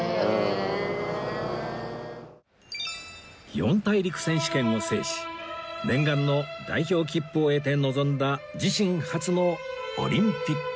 四大陸選手権を制し念願の代表切符を得て臨んだ自身初のオリンピック